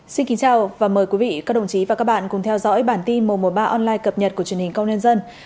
xin kính chào và mời quý vị các đồng chí và các bạn cùng theo dõi bản tin mùa mùa ba online cập nhật của truyền hình công nhân dân